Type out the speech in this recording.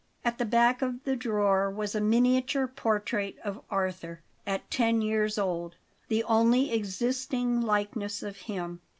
At the back of the drawer was a miniature portrait of Arthur at ten years old the only existing likeness of him.